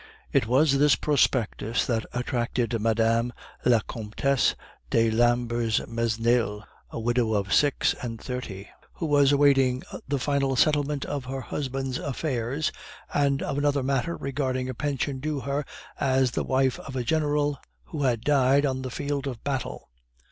It was this prospectus that attracted Mme. la Comtesse de l'Ambermesnil, a widow of six and thirty, who was awaiting the final settlement of her husband's affairs, and of another matter regarding a pension due to her as the wife of a general who had died "on the field of battle."